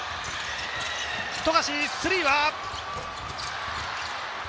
富樫、スリーは。